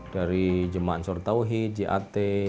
dari jemaah surtawhi jat